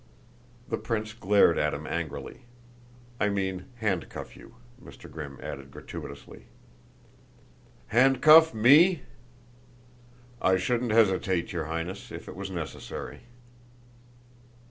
The prince glared at him angrily. "I mean handcuff you," Mr. Grimm added gratuitously. "Handcuff me?" "I shouldn't hesitate, your Highness, if it was necessary."